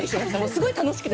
すごい楽しくて。